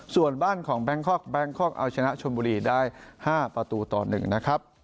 ส่วนบ้านของแบงคอกแบงคอกเอาชนะชนบุรีได้๕ประตูต่อ๑นะครับ